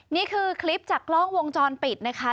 นี่คือคลิปจากกล้องวงจรปิดนะคะ